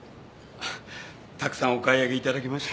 たくさんお買い上げいただきまして。